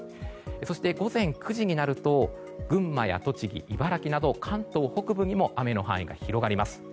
そして午前９時になると群馬や栃木、茨城など関東北部にも雨の範囲が広がります。